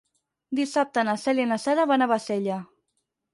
Dissabte na Cèlia i na Sara van a Bassella.